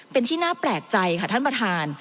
เป็นที่น่าแปลกใจค่ะท่านประธาน